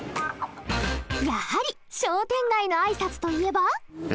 やはり商店街の挨拶といえば。